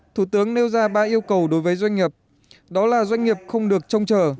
thủ tướng nêu ra ba yêu cầu đối với doanh nghiệp đó là doanh nghiệp không được trông chờ